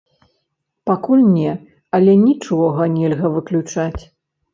Пакуль не, але нічога нельга выключаць.